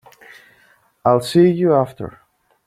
I'll see you after.